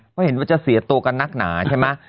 ก็เห็นว่าจะเสียตัวกันนักหนาใช่มั้ย